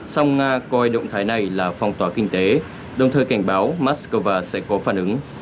song nga coi động thái này là phong tỏa kinh tế đồng thời cảnh báo moscow sẽ có phản ứng